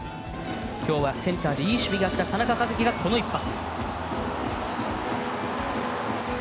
今日はセンターでいい守備があった田中和基がこの一発。